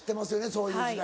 そういう時代。